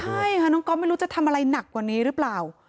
ใช่ค่ะน้องก๊อฟไม่รู้จะทำอะไรหนักกว่านี้หรือเปล่า